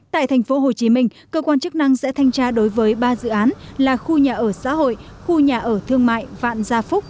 tại thành phố hồ chí minh cơ quan chức năng sẽ thanh tra đối với ba dự án là khu nhà ở xã hội khu nhà ở thương mại vạn gia phúc